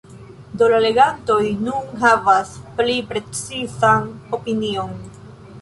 Do la legantoj nun havas pli precizan opinion.